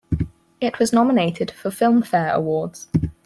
It was nominated for Filmfare awards.